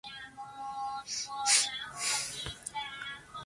Hay un alto nivel de capacitación de la mano de obra peruana.